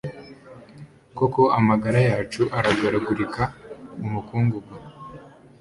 Koko amagara yacu aragaragurika mu mukungugu